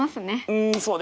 うんそうですね。